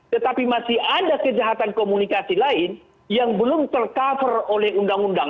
tetapi masih ada kejahatan komunikasi lain yang belum tercover oleh undang undang